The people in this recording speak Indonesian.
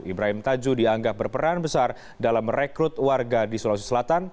ibrahim tajuh dianggap berperan besar dalam merekrut warga di sulawesi selatan